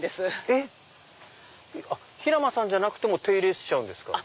えっ？平間さんじゃなくても手入れしちゃうんですか？